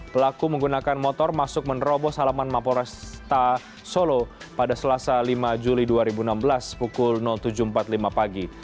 pelaku menggunakan motor masuk menerobos halaman mapo resta solo pada selasa lima juli dua ribu enam belas pukul tujuh empat puluh lima pagi